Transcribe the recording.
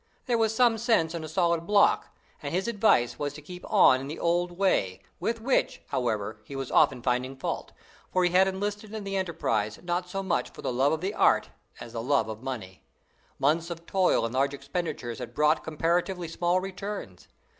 There was some sense in a solid block, and his advice was to keep on in the old way, with which, however, he was often finding fault, for he had enlisted in the enterprise not so much for the love of the art as the love of money. Months of toil and large expenditures had brought comparatively small returns.